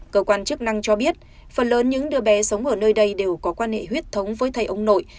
cơ quan chức năng cho biết phần lớn những đứa bé sống ở nơi đây đều có quan hệ huyết thống với thầy ông nội